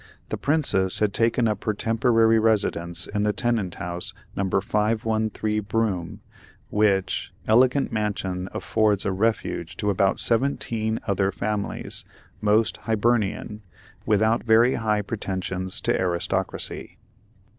The Princess had taken up her temporary residence in the tenant house No. 513 Broome, which, elegant mansion affords a refuge to about seventeen other families, mostly Hibernian, without very high pretensions to aristocracy.